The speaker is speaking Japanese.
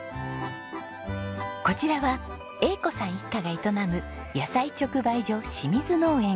こちらは英子さん一家が営む野菜直売所清水農園。